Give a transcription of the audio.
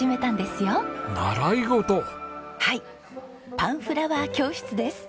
パンフラワー教室です。